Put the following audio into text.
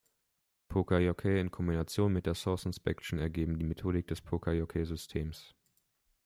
Poka-Yoke in Kombination mit der Source-Inspection ergeben die Methodik des Poka-Yoke-Systems.